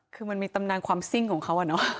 คือมันมีตำนานความซิ่งของเขาอะเนาะ